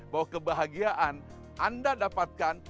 bahwa kebahagiaan anda dapatkan